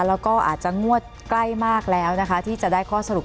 แล้วก็อาจจะงวดใกล้มากแล้วนะคะที่จะได้ข้อสรุป